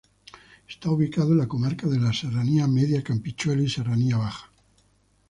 Está ubicado en la comarca de la Serranía Media-Campichuelo y Serranía Baja.